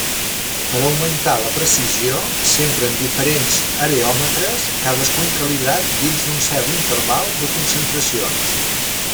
Per augmentar la precisió s'empren diferents areòmetres cadascun calibrat dins d'un cert interval de concentracions.